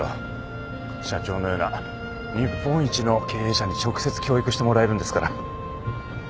社長のような日本一の経営者に直接教育してもらえるんですから。